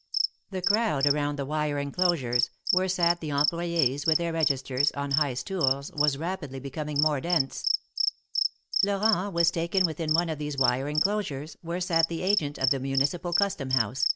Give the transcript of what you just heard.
The crowd around the wire enclosures, where sat the employes with their registers, on high stools, was rapidly becoming more dense. Florent was taken within one of these wire enclosures where sat the agent of the Municipal Custom House, TH^3 MARKETS OF PARIS.